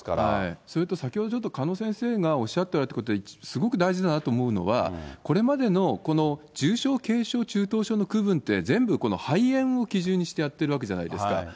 それと、先ほど鹿野先生がおっしゃっていたことで、すごく大事だなと思うのは、これまでのこの重症、軽症、中等症の区分って、肺炎を基準にしてやってるわけじゃないですか。